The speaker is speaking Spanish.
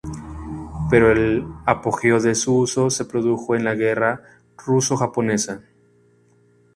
Pero el apogeo de su uso se produjo en la Guerra Ruso-Japonesa.